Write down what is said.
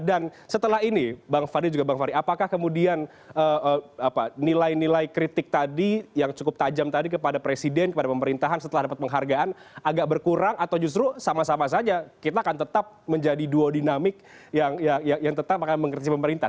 dan setelah ini bang fadli juga bang fahri apakah kemudian nilai nilai kritik tadi yang cukup tajam tadi kepada presiden kepada pemerintahan setelah dapat penghargaan agak berkurang atau justru sama sama saja kita akan tetap menjadi duo dinamik yang tetap akan mengkritik pemerintah